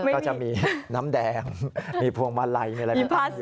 ก็จะมีน้ำแดงมีพวงมาลัยมีอะไรไปตั้งอยู่